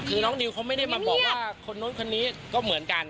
คือน้องนิวเขาไม่ได้มาบอกว่าคนนู้นคนนี้ก็เหมือนกัน